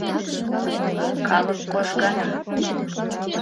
Калык кожгана.